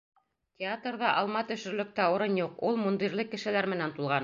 Театрҙа алма төшөрлөк тә урын юҡ, ул мундирлы кешеләр менән тулған.